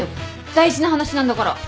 大事な話なんだから。